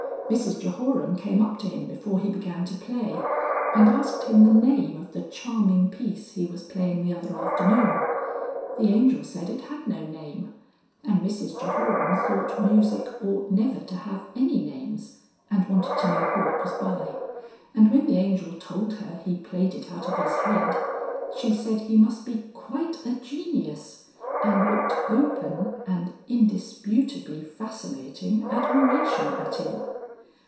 Mrs Jehoram came up to him before he began to play and asked him the Name of the Charming Piece he was playing the other afternoon. The Angel said it had no name, and Mrs Jehoram thought music ought never to have any names and wanted to know who it was by, and when the Angel told her he played it out of his head, she said he must be Quite a Genius and looked open (and indisputably fascinating) admiration at him.